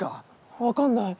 分かんない。